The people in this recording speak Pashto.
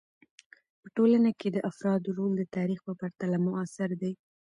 په ټولنه کې د افرادو رول د تاریخ په پرتله معاصر دی.